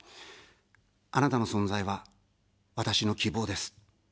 あなたの存在は、私の希望です。